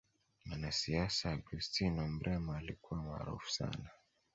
mwanasiasa augustino mrema alikuwa maarufu sana